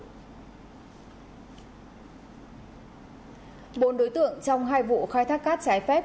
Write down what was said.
bốn đối tượng trong hai vụ khai thác cát trái phép